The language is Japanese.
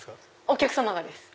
お客様がです。